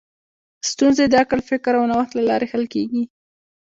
ستونزې د عقل، فکر او نوښت له لارې حل کېږي.